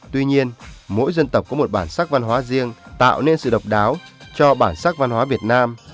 tuy nhiên mỗi dân tộc có một bản sắc văn hóa riêng tạo nên sự độc đáo cho bản sắc văn hóa việt nam